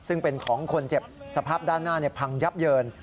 ซึ่งเป็นของคนเจ็บสภาพด้านหน้าพังยับเยิน